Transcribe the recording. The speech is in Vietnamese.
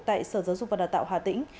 tại sở giáo dục và đào tạo hà tĩnh